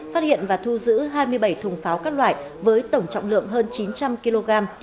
phát hiện và thu giữ hai mươi bảy thùng pháo các loại với tổng trọng lượng hơn chín trăm linh kg